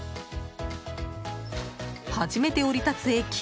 初めて降り立つ駅。